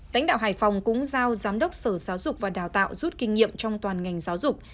lãnh đạo hải phòng cũng giao giám đốc sở giáo dục và đào tạo rút kinh nghiệm trong toàn ngành giáo dục